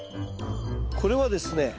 これはですね